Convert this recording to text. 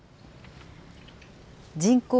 人口